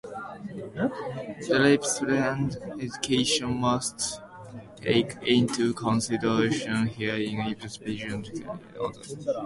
Therapies and education must take into consideration hearing impairment, vision problems, and any others.